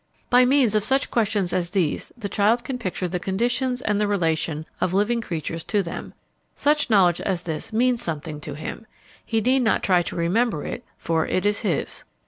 By means of such questions as these the child can picture the conditions and the relation of living creatures to them. Such knowledge as this means something to him. He need not try to remember it, for it is his.